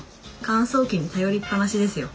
乾燥機に頼りっぱなしですよ